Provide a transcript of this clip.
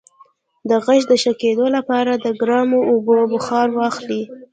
د غږ د ښه کیدو لپاره د ګرمو اوبو بخار واخلئ